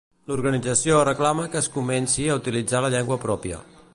L'organització reclama que es comenci a utilitzar la llengua pròpia.